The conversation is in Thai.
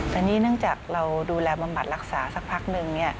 ตอนนี้นั่งจากเราดูแลบัมบัติรักษาสักพักนึง